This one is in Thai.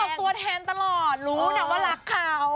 นี่ก็ออกตัวแทนตลอดรู้แต่ว่ารักเขา